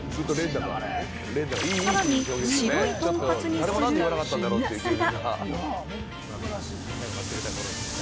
さらに白いとんかつにする秘密が。